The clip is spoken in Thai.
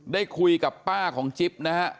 ได้คุยกับป้าของจิ๊บนะฮะ